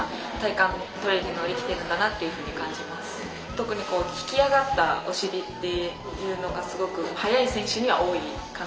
特に引き上がったお尻っていうのがすごく速い選手には多いかなっていうふうには思っていて。